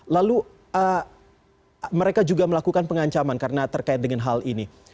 lalu mereka juga melakukan pengancaman karena terkait dengan hal ini